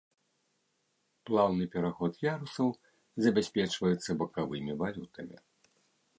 Плаўны пераход ярусаў забяспечваецца бакавымі валютамі.